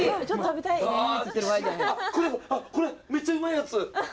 あこれこれめっちゃうまいやつ！